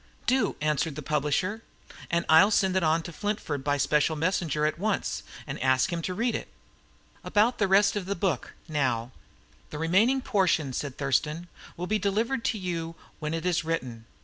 "Do," answered the publisher. "I'll send it on to Flintford by special messenger at once, and ask him to read it. About the rest of the book, now " "The remaining portion," said Thurston, "will be delivered to you when it is written."